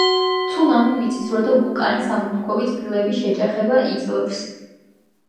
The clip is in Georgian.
ცუნამი, მიწისძვრა და ვულკანის ამოფრქვევას ფილები შეჯახება იწვევს